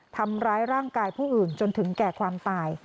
ทำร้ายร่างกายผู้อื่นจนถึงแก่ความตาย